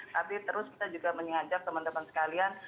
tapi terus kita juga mengajak teman teman sekalian